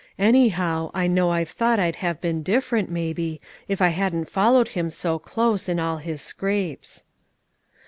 Anyhow, I know I've thought I'd have been different, maybe, if I hadn't followed him so close in all his scrapes."